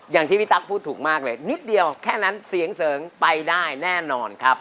อย่างที่พี่ตั๊กพูดถูกมากเลยนิดเดียวแค่นั้นเสียงเสริงไปได้แน่นอนครับ